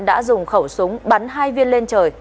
đã dùng khẩu súng bắn hai viên lên trời